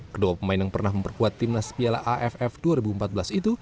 kedua pemain yang pernah memperkuat timnas piala aff dua ribu empat belas itu